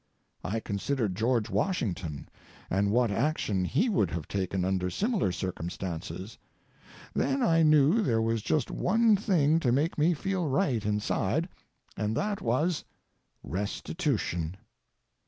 I considered George Washington, and what action he would have taken under similar circumstances. Then I knew there was just one thing to make me feel right inside, and that was—Restitution.